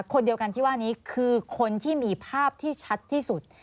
คนเดียวกันที่ว่านี้คือคนที่มีภาพที่ชัดที่สุด